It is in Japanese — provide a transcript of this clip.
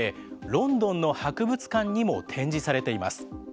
ロンドンの博物館にも展示されています。